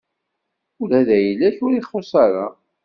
Ula d ayla-k ur ixuṣṣ ara.